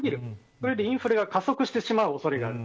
それでインフレが加速していく恐れがある。